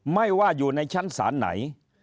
ไม่ว่าอยู่ในชั้นศาลไหน